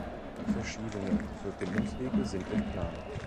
Verschiedene Verbindungswege sind in Planung.